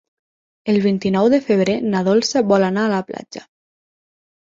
El vint-i-nou de febrer na Dolça vol anar a la platja.